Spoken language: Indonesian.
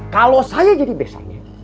kalau saya jadi besarnya